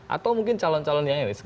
atau mungkin calon calon yang lain